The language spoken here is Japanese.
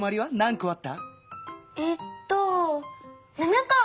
えっと７こ！